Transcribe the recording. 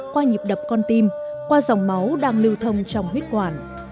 qua nhịp đập con tim qua dòng máu đang lưu thông trong huyết quản